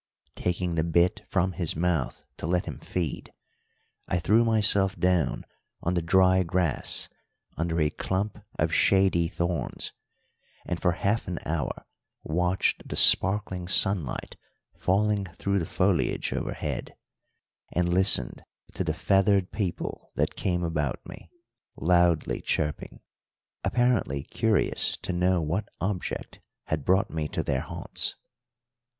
Taking the bit from his mouth to let him feed, I threw myself down on the dry grass under a clump of shady thorns, and for half an hour watched the sparkling sunlight falling through the foliage overhead, and listened to the feathered people that came about me, loudly chirping, apparently curious to know what object had brought me to their haunts.